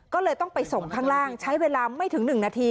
ก็เลยต้องไปส่งข้างล่างใช้เวลาไม่ถึง๑นาที